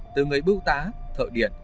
từ người bưu tá thợ điện